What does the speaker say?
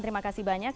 terima kasih banyak